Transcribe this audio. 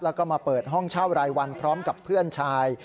แล้วก็มาเปิดห้องเช่ารายวันพร้อมกับเพื่อนชาย